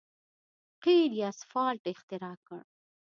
قیر یا سفالټ اختراع کړ.